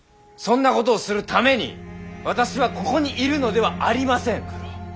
そんなことをするために私はここにいるのではありません！